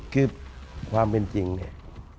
คือความเป็นจริงเนี่ย